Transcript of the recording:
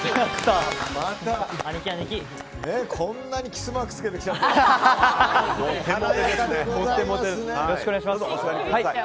こんなにキスマークつけてきちゃって。